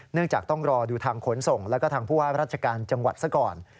จากต้องรอดูทางขนส่งแล้วก็ทางผู้ว่าราชการจังหวัดซะก่อน